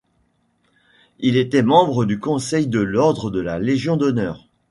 Il était membre du conseil de l'ordre de la Légion d'honneur.